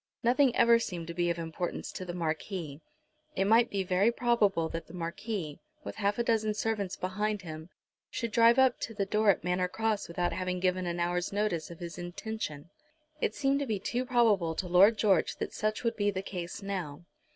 Nothing ever seemed to be of importance to the Marquis. It might be very probable that the Marquis, with half a dozen servants behind him, should drive up to the door at Manor Cross without having given an hour's notice of his intention. It seemed to be too probable to Lord George that such would be the case now.